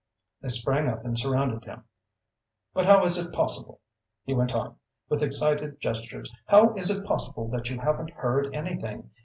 They sprang up and surrounded him. "But how is it possible?" he went on, with excited gestures "how is it possible that you haven't heard anything?